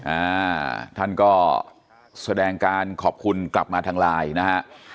อ่าท่านก็แสดงการขอบคุณกลับมาทางไลน์นะฮะ